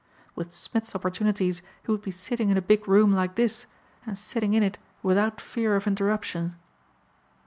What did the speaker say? With Smith's opportunities he would be sitting in a big room like this and sitting in it without fear of interruption.